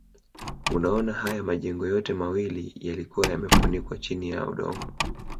Unaona hayo majengo yote awali yalikuwa yamefukiwa chini na udongo